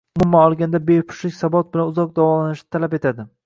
Umuman olganda, bepushtlik sabot bilan uzoq davolanishni talab etadi.